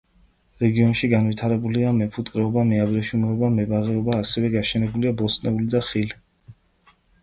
რეგიონში განვითარებულია: მეფუტკრეობა, მეაბრეშუმეობა, მებაღეობა, ასევე გაშენებულია ბოსტნეული და ხილი.